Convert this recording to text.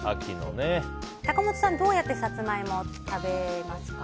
坂本さん、どうやってサツマイモ食べますか？